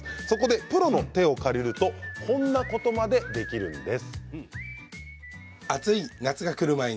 プロの手を借りるとこんなことまでできるんです。